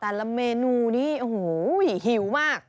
แต่ละเมนูนี้โอ้โหหิวมาก